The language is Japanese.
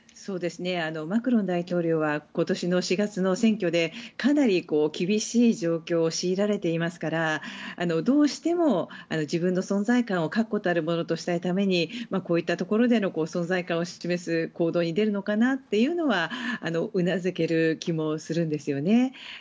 マクロン大統領は今年の４月の選挙でかなり厳しい状況を強いられていますからどうしても自分の存在感を確固たるものにしたいためにこういったところでの存在感を示す行動に出るのかなというのはうなずける気もするんですよね。